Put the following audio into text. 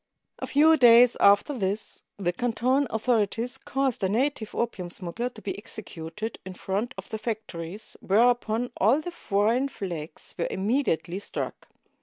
A few days after this, the Canton authorities caused a native opium smuggler to be executed in front of the factories, whereupon all the foreign flags were immedi ately struck.